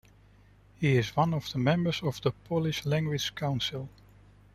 He is one of the members of the Polish Language Council.